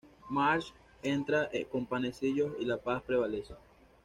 Marge entra con panecillos y la paz prevalece.